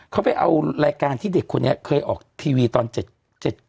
เขาไปเอารายการที่เด็กคนนี้เคยออกทีวีตอน